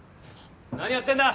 何やってんだ。